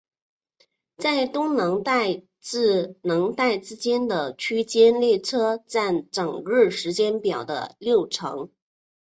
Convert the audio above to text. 在东能代至能代之间的区间列车占整日时间表的六成。